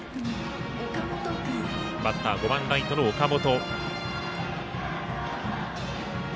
バッター、５番ライトの岡本。